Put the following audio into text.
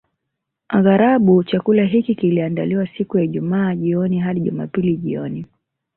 Aghalabu chakula hiki kiliandaliwa siku ya Ijumaa jioni hadi Jumapili jioni